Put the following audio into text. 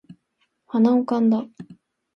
鼻をかんだ